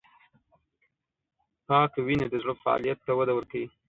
پاکه وینه د زړه فعالیت ته وده ورکوي.